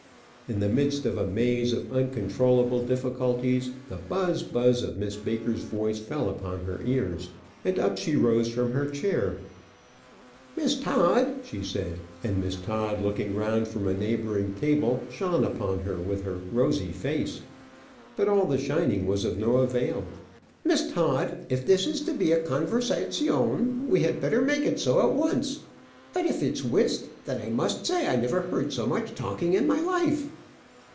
In the midst of a maze of uncontrollable difficulties, the buzz buzz of Miss Baker's voice fell upon her ears, and up she rose from her chair. "Miss Todd," she said, and Miss Todd, looking round from a neighbouring table, shone upon her with her rosy face. But all the shining was of no avail. "Miss Todd, if this is to be a conversazione, we had better make it so at once. But if it's whist, then I must say I never heard so much talking in my life!"